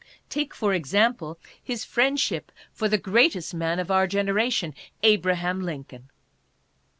Take, for example^ his friend 40 ADDRESSES. ship for the greatest man of our generation, Abraham Lincoln.